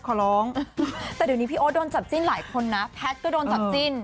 ขอร้องแต่เดี๋ยวนี้พี่โอ๊ตโดนจับจิ้นหลายคนนะแพทย์ก็โดนจับจิ้น